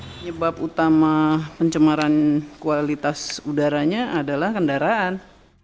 penyebab utama pencemaran kualitas udaranya adalah kendaraan